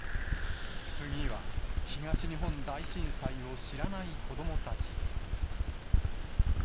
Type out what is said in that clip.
次は、東日本大震災を知らない子どもたちへ。